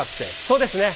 そうですね。